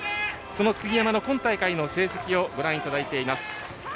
その杉山の今大会の成績をご覧いただいています。